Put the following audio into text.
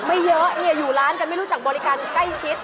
ไม่เยอะอยู่ร้านกันไม่รู้จักบริการใกล้ชิด